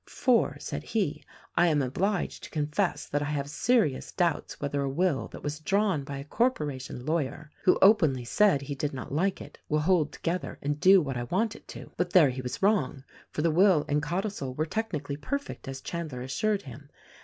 "For," said he, "I am obliged to confess that I have serious doubts whether a will that was drawn by a corporation lawyer — who openly said that he did not like it — will hold together and do what I want it to." But there he was wrong; for the will and codicil were technically perfect, as Chandler assured him.